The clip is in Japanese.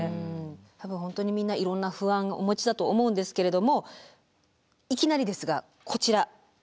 多分本当にみんないろんな不安お持ちだと思うんですけれどもいきなりですがこちら。